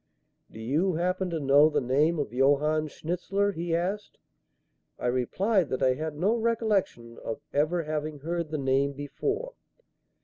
"Do you happen to know the name of Johann Schnitzler?" he asked. I replied that I had no recollection of ever having heard the name before.